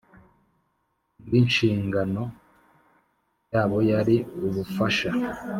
Ng inshingano yabo yari ugufasha